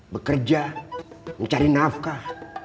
bekerja mencari nafkah